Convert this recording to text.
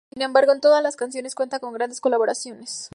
Sin embargo, en todas las canciones cuenta con grandes colaboraciones.